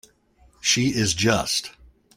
She is just.